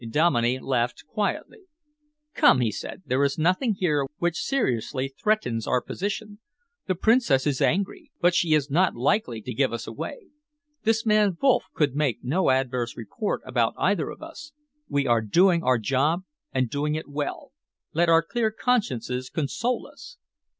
Dominey laughed quietly. "Come," he said, "there is nothing here which seriously threatens our position. The Princess is angry, but she is not likely to give us away. This man Wolff could make no adverse report about either of us. We are doing our job and doing it well. Let our clear consciences console us."